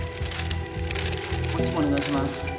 こっちもお願いします。